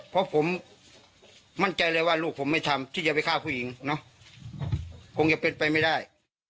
เพราะผมมั่นใจเลยว่าลูกผมไม่ทำที่จะไปฆ่าผู้หญิงเนอะคงจะเป็นไปไม่ได้